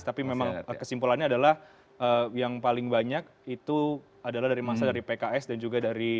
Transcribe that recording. tapi memang kesimpulannya adalah yang paling banyak itu adalah dari masa dari pks dan juga dari